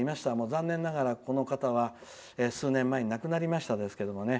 残念ながら、この方は数年前に亡くなりましたが。